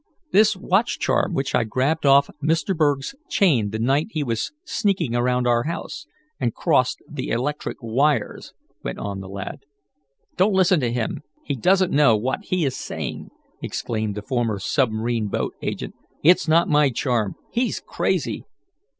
"This watch charm which I grabbed off Mr. Berg's chain the night he was sneaking around our house, and crossed the electric wires," went on the lad. "Don't listen to him. He doesn't know what he is saying!" exclaimed the former submarine boat agent. "It's not my charm. He's crazy!"